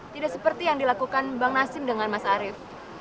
tidak seperti yang dilakukan bang nasim dengan mas arief